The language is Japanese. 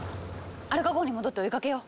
アルカ号に戻って追いかけよう！